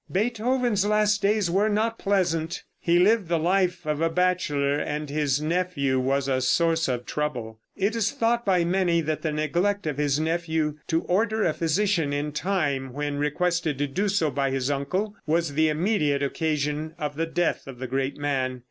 Beethoven's last days were not pleasant. He lived the life of a bachelor, and his nephew was a source of trouble. It is thought by many that the neglect of his nephew to order a physician in time, when requested to do so by his uncle, was the immediate occasion of the death of the great man.